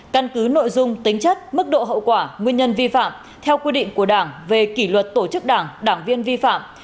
căn cứ nội dung tính chất mức độ hậu quả nguyên nhân vi phạm theo quy định của đảng về kỷ luật tổ chức đảng đảng viên vi phạm